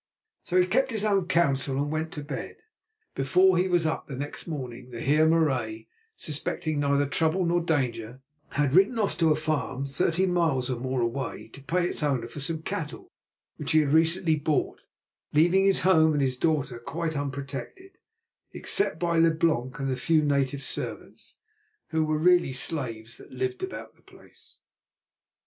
So he kept his own counsel and went to bed. Before he was up next morning the Heer Marais, suspecting neither trouble nor danger, had ridden off to a farm thirty miles or more away to pay its owner for some cattle which he had recently bought, leaving his home and his daughter quite unprotected, except by Leblanc and the few native servants, who were really slaves, that lived about the place.